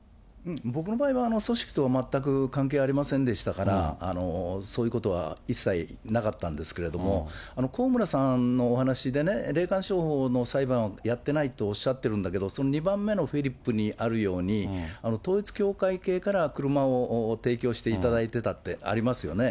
僕の場合は組織とは関係ありませんでしたから、そういうことは一切なかったんですけど、高村さんのお話で霊感商法の裁判をやってないとおっしゃってるんだけど、２番目のフリップにあるように統一教会系から車を提供していただいてたってありますよね。